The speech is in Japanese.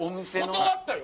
断ったよ。